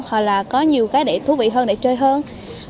hoặc là có nhiều cái để thú vị hơn để chơi hơn